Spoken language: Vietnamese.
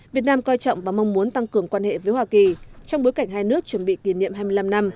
việt nam coi trọng và mong muốn tăng cường quan hệ với hoa kỳ trong bối cảnh hai nước chuẩn bị kỷ niệm hai mươi năm năm